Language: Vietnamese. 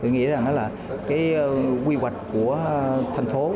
nghĩa là quy hoạch của thành phố